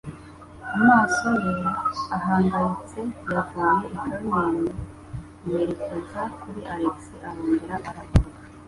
Amaso ye ahangayitse yavuye i Carmen yerekeza kuri Alex arongera aragaruka.